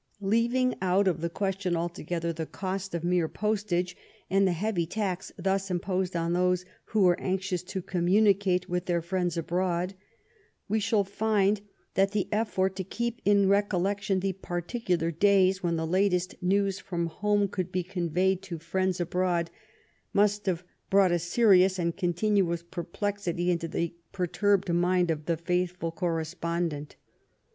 Leaving out of the question altogether the cost of mere postage, and the heavy tax thus^ imposed on those who were anxious to commimicate with their friends abroad, we shall find that the effort to keep in recollection the particular days when the latest news from home could be con veyed to friends abroad must have brought a serious and continuous perplexity into the perturbed mind of the faithful correspondent.